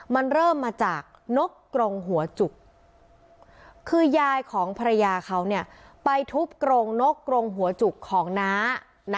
มันเริ่มมาจากนกกรงหัวจุกคือยายของภรรยาเขาไปทุบกรงนกกรงหัวจุกของน้า